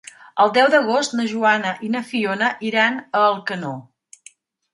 El deu d'agost na Joana i na Fiona iran a Alcanó.